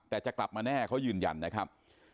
แต่จะกลับมาแน่เขายืนยันนะครับ